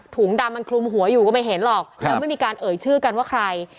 ถุงดำมันคลุมหัวอยู่ก็ไม่เห็นหรอกยังไม่มีการเอ่ยชื่อกันว่าใคร